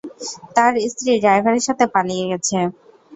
তার স্ত্রী ড্রাইভারের সাথে পালিয়ে গেছে।